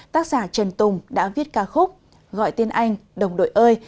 tác giả trần tùng đã viết ca khúc gọi tiên anh đồng đội ơi